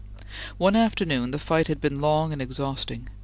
One afternoon the fight had been long and exhausting.